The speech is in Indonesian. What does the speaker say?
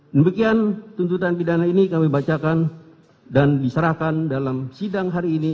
demikian tuntutan pidana ini kami bacakan dan diserahkan dalam sidang hari ini